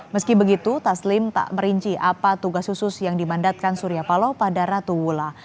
meski begitu taslim tak merinci apa tugas khusus yang dimandatkan surya paloh pada ratu wullah